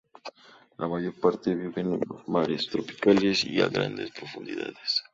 La mayor parte viven en los mares tropicales y a grandes profundidades.